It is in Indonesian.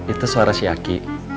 itu suara si aki